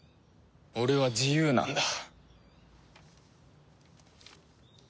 俺は自由なんだ